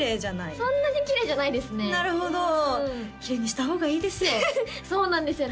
そんなにきれいじゃないですねなるほどきれいにした方がいいですよそうなんですよね